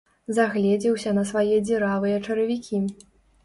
Загледзеўся на свае дзіравыя чаравікі.